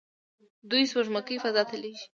دوی سپوږمکۍ فضا ته لیږي.